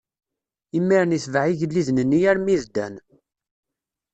Imiren itbeɛ igelliden-nni armi d Dan.